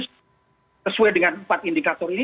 sesuai dengan empat indikator ini